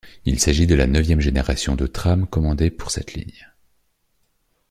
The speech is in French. Il s'agit de la neuvième génération de trams commandée pour cette ligne.